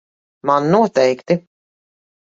Man noteikti.